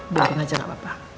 biarin aja nggak apa apa